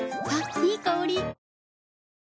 いい香り。